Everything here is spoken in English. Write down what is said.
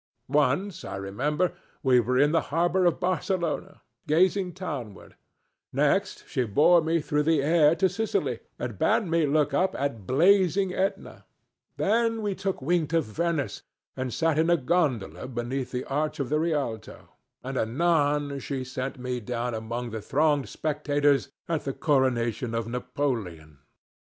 Once, I remember, we were in the harbor of Barcelona, gazing townward; next, she bore me through the air to Sicily and bade me look up at blazing Ætna; then we took wing to Venice and sat in a gondola beneath the arch of the Rialto, and anon she set me down among the thronged spectators at the coronation of Napoleon.